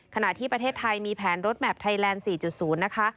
ขณะที่ประเทศไทยมีแผนรถแมพไทยแลนด์๔๐นะคะ